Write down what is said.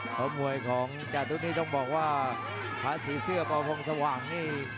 เพราะมวยของจาตุนี่ต้องบอกว่าพระสีเสื้อปพงสว่างนี่